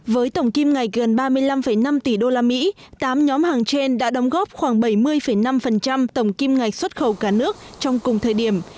với tổng kim ngạch gần ba mươi năm năm tỷ usd tám nhóm hàng trên đã đóng góp khoảng bảy mươi năm tổng kim ngạch xuất khẩu cả nước trong cùng thời điểm